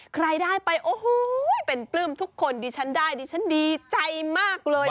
ใครได้ไปโอ้โหเป็นปลื้มทุกคนดิฉันได้ดิฉันดีใจมากเลย